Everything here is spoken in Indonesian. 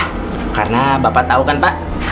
ya karena bapak tau kan pak